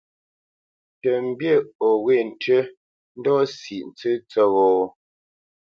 Tə mbî o wê tʉ́ ndɔ́ sǐʼ ntsə́ tsə́ghō?